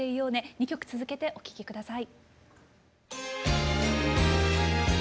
２曲続けてお聴き下さい。